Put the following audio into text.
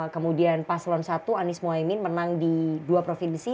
kemudian paslon satu anies mohaimin menang di dua provinsi